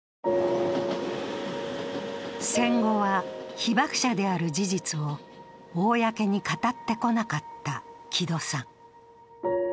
戦後は、被爆者である事実を公に語ってこなかった木戸さん。